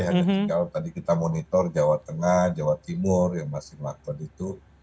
hanya tinggal tadi kita monitor jawa tengah jawa timur yang masih melakukan itu